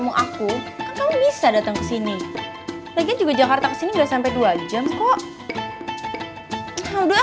aku tuh niat mau ketemu aku kamu bisa datang sini lagi juga jakarta sini nggak sampai dua jam kok